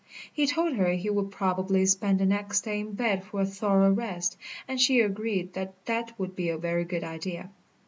He told her he would probably spend the next day in bed for a thorough rest, and she agreed that that would be a very good idea.